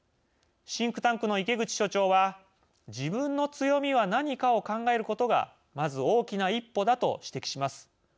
シンクタンクの池口所長は「自分の強みは何かを考えることがまず大きな一歩だ」と指摘します。